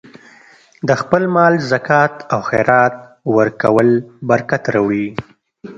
د خپل مال زکات او خیرات ورکول برکت راوړي.